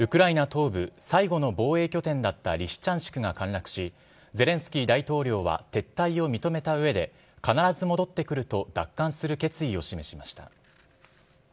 東部最後の防衛拠点だったリシチャンシクが陥落し、ゼレンスキー大統領は撤退を認めたうえで、必ず戻ってくると、奪還する決意を示しました。